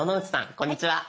こんにちは。